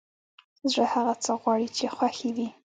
زړه هغه څه غواړي چې خوښ يې وي!